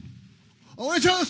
お願いします！